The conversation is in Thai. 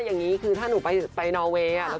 อย่างงี้คือถ้าหนูไปไปนอร์เวย์อ่ะครับ